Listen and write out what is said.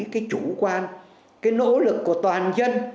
cái nỗ lực của toàn dân